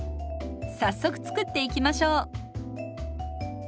早速作っていきましょう。